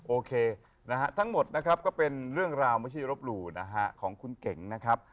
โอเคนะฮะทั้งหมดนะครับก็เป็นเรื่องราวไม่ใช่รบหลู่นะฮะของคุณเก๋งนะครับ